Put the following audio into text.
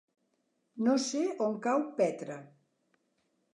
No sé on cau Petra.